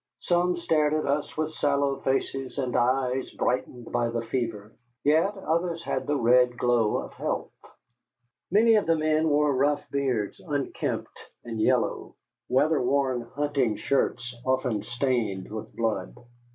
Some stared at us with sallow faces and eyes brightened by the fever, yet others had the red glow of health. Many of the men wore rough beards, unkempt, and yellow, weather worn hunting shirts, often stained with blood.